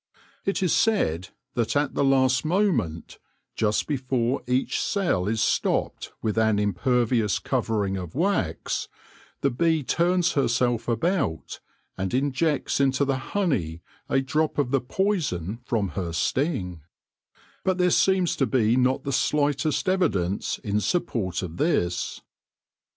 It is said that at the last moment, just before each cell is stopped with an impervious covering of wax, the bee turns herself about, and injects into the honey a drop of the poison from her sting ; but there seems to be not the slightest evidence in support of this.